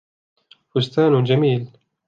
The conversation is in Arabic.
فستان جميل.